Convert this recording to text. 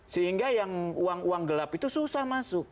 sehingga yang uang uang gelap itu susah masuk